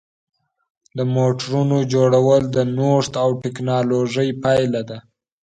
د موټرونو جوړول د نوښت او ټېکنالوژۍ پایله ده.